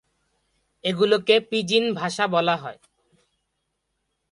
এগুলোকে পিজিন ভাষা বলা হয়।